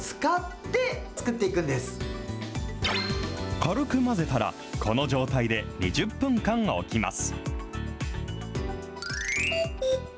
軽く混ぜたら、この状態で２０分間置きます。